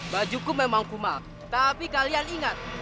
bajuku memang kumak tapi kalian ingat